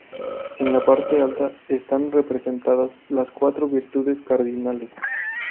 En la parte alta están representadas las cuatro virtudes cardinales.